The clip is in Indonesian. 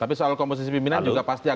tapi soal komposisi pimpinan juga pasti akan